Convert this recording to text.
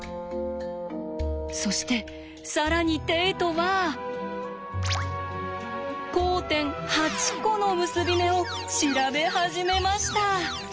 そして更にテイトは交点８コの結び目を調べ始めました。